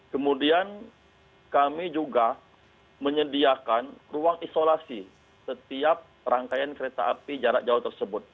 kemudian kami juga menyediakan ruang isolasi setiap rangkaian kereta api jarak jauh tersebut